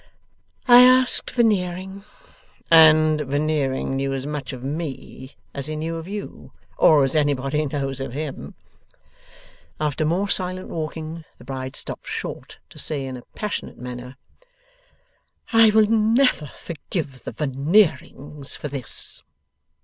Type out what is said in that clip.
'I asked Veneering.' 'And Veneering knew as much of me as he knew of you, or as anybody knows of him.' After more silent walking, the bride stops short, to say in a passionate manner: 'I never will forgive the Veneerings for this!